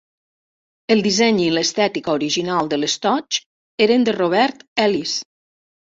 El disseny i l'estètica original de l'estoig eren de Robert Ellis.